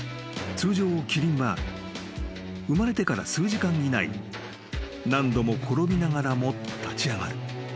［通常キリンは生まれてから数時間以内に何度も転びながらも立ち上がる］